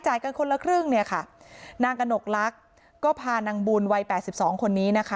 กันคนละครึ่งเนี่ยค่ะนางกระหนกลักษณ์ก็พานางบุญวัยแปดสิบสองคนนี้นะคะ